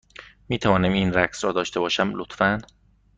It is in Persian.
می توانم این رقص را داشته باشم، لطفا؟